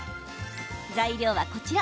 材料はこちら。